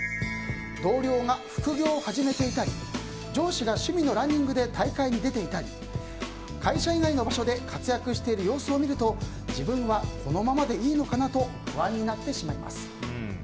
同僚が副業を始めていたり上司が趣味のランニングで大会に出ていたり会社以外の場所で活躍している様子を見ると自分はこのままでいいのかなと不安になってしまいます。